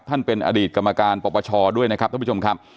ท่านเป็นอดีตกรรมการปปชด้วยนะครับท่านผู้ชมครับ